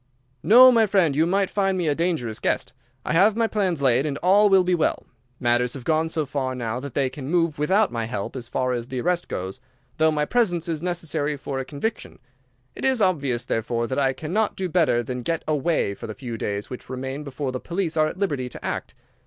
"No, my friend, you might find me a dangerous guest. I have my plans laid, and all will be well. Matters have gone so far now that they can move without my help as far as the arrest goes, though my presence is necessary for a conviction. It is obvious, therefore, that I cannot do better than get away for the few days which remain before the police are at liberty to act.